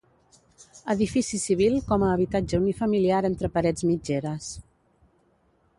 Edifici civil com a habitatge unifamiliar entre parets mitgeres.